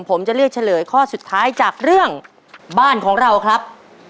ผมจะเลือกเฉลยข้อสุดท้ายจากเรื่องบ้านของเราครับ